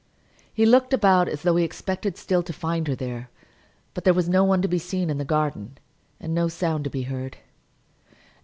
He looked about as though he expected still to find her there; but there was no one to be seen in the garden, and no sound to be heard.